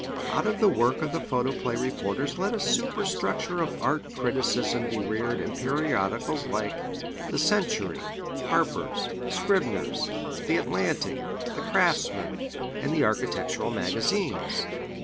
Out of the work of the photoplay reporters let a superstructure of art criticism be reared in periodicals like The Century, Harper's, Scribner's, The Atlantic, The Craftsman, and the architectural magazines.